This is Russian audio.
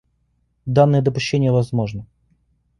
Данное допущение возможно.